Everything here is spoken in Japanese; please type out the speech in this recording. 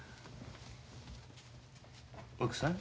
奥さん。